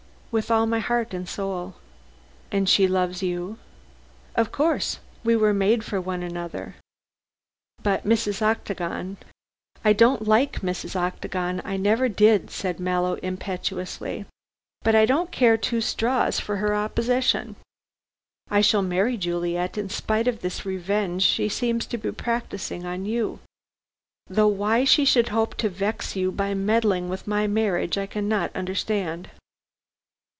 "With all my heart and soul." "And she loves you?" "Of course. We were made for one another." "But Mrs. Octagon " "I don't like Mrs. Octagon I never did," said Mallow, impetuously, "but I don't care two straws for her opposition. I shall marry Juliet in spite of this revenge she seems to be practising on you. Though why she should hope to vex you by meddling with my marriage, I cannot understand."